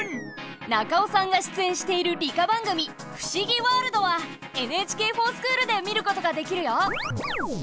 中尾さんが出演している理科番組「ふしぎワールド」は「ＮＨＫｆｏｒＳｃｈｏｏｌ」で見ることができるよ！